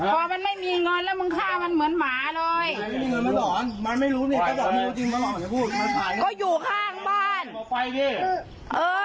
เออมันไม่ดีมันก็ให้เขาไป